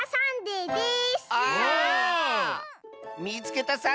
「みいつけた！